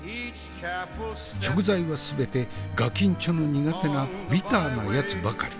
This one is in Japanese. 食材は全てガキンチョの苦手なビターなやつばかり。